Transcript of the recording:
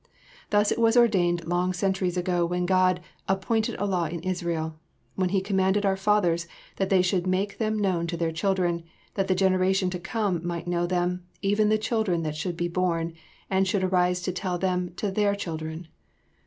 Thus it was ordained long centuries ago when God "appointed a law in Israel, when He commanded our fathers, that they should make them known to their children; that the generation to come might know them, even the children that should be born, who should arise and tell them to their children."